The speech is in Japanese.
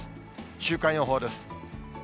週間予報です。